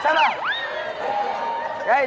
ใช่ไหม